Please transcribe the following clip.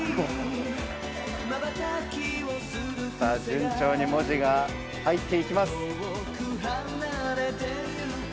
順調に文字が入っていきます。